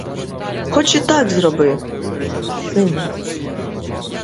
Хоч і так зроби, сину.